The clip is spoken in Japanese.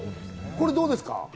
これどうですか？